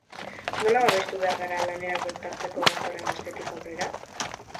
Nola babestu behar gara lanera bueltatzeko datorren astetik aurrera?